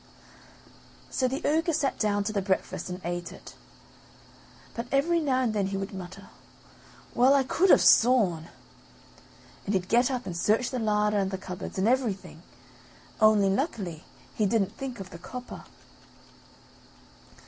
So the ogre sat down to the breakfast and ate it, but every now and then he would mutter: "Well, I could have sworn " and he'd get up and search the larder and the cupboards, and everything, only luckily he didn't think of the copper.